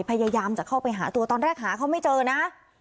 พยายามจะเข้าไปหาตัวตอนแรกหาเขาไม่เจอนะ